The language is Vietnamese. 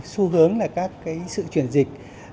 xu hướng là các sự chuyển dịch